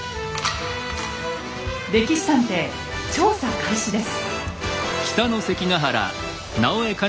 「歴史探偵」調査開始です。